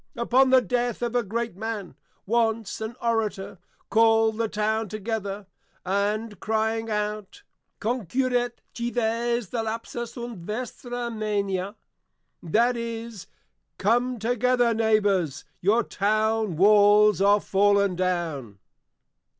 Upon the Death of a Great Man once, an Orator call'd the Town together, crying out, Concurrite Cives, Dilapsa sunt vestra Moenia! that is, _Come together, Neighbours, your Town Walls are fallen down!